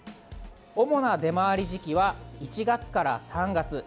主な出回り時期は、１月から３月。